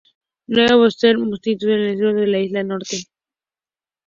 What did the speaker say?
Nuevo Úlster consistió en el resto de la Isla Norte.